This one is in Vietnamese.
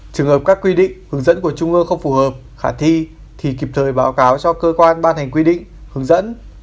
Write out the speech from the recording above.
trường hợp các quy định hướng dẫn của trung ương không phù hợp khả thi thì kịp thời báo cáo cho cơ quan ban hành quy định hướng dẫn